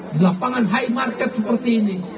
di lapangan high market seperti ini